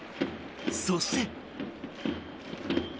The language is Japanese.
そして。